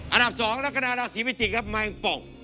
อันดับ๒ลักษณะราศีพิจิกครับแมงปอก